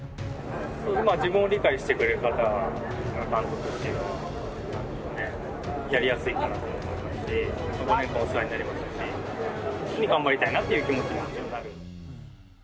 自分を理解してくれる方が監督なので、やりやすいかなと思いますし、５年間お世話になりましたし、一緒に頑張りたいなという気持ちもある。